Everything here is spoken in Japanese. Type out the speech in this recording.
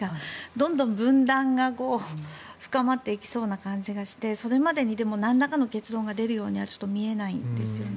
どんどん分断が深まっていきそうな気がしてそれまでになんらかの結論が出るようには見えないですよね。